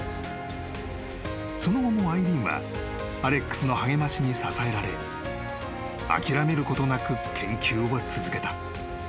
［その後もアイリーンはアレックスの励ましに支えられ諦めることなく研究を続けた］